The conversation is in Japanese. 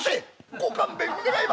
「ご勘弁願います」。